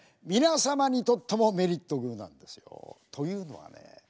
皆様にとってもメリットグーなんですよ。というのはね